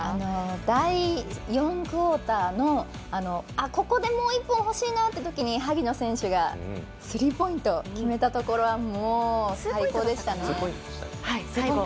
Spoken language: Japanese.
第４クオーターのここでもう１本ほしいなってときに萩野選手がポイント決めたところ最高でしたね。